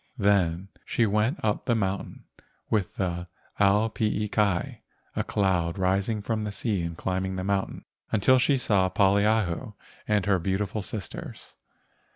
Then she went up the mountain with the ao pii kai (a cloud rising from the sea and climbing the mountain) until she saw Poliahu and her beau¬ tiful sisters.